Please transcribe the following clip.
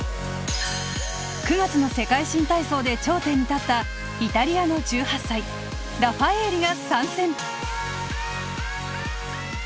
９月の世界新体操で頂点に立ったイタリアの１８歳ラファエーリが参戦。